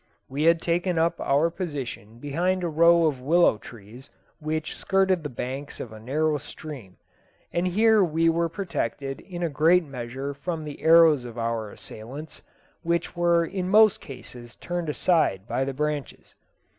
We had taken up our position behind a row of willow trees which skirted the banks of a narrow stream, and here we were protected in a great measure from the arrows of our assailants, which were in most cases turned aside by the branches.